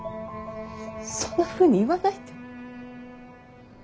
そんなふうに言わないで。